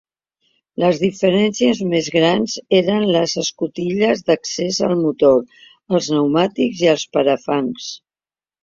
Les diferències més grans eren les escotilles d'accés al motor, els pneumàtics i els parafangs.